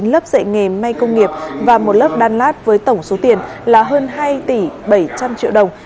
năm mươi chín lớp dạy nghề may công nghiệp và một lớp đan lát với tổng số tiền là hơn hai bảy tỷ đồng